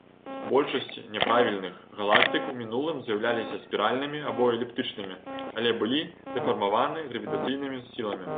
Большасць няправільных галактык ў мінулым з'яўляліся спіральнымі або эліптычнымі, але былі дэфармаваны гравітацыйнымі сіламі.